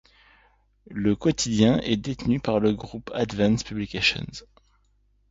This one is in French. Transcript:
Le quotidien est détenu par le groupe Advance Publications.